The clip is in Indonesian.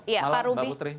ya halo malam mbak putri